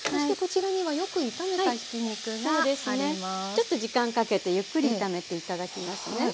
ちょっと時間かけてゆっくり炒めて頂きますね。